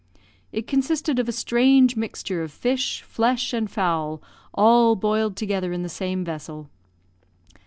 It consisted of a strange mixture of fish, flesh, and fowl, all boiled together in the same vessel.